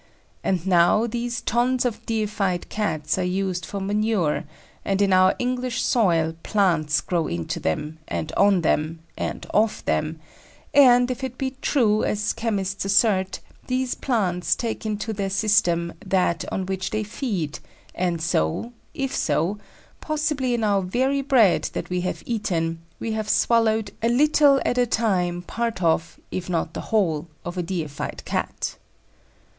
And now these tons of "deified" Cats are used for manure, and in our English soil plants grow into them, and on them, and of them; and, if it be true, as chemists assert, these plants take into their system that on which they feed, and so, if so, possibly in our very bread that we have eaten, we have swallowed "a little at a time part of if not the whole of a deified cat."